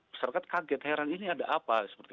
masyarakat kaget heran ini ada apa